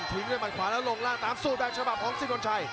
ทิ้งด้วยหมัดขวาลงล่างตามสูตรแบกฉบับภาพของสิทธิ์คนชัย